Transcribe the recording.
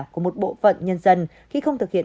của một bộ phận nhân dân khi không thực hiện